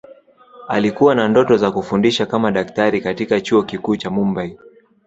Alikuwa na ndoto ya kufundisha kama daktari katika Chuo Kikuu cha Mumbay